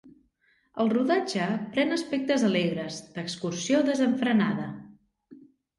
El rodatge pren aspectes alegres, d'excursió desenfrenada.